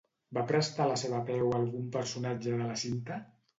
Va prestar la seva veu algun personatge de la cinta?